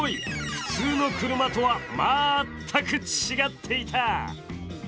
普通の車とは全く違っていた！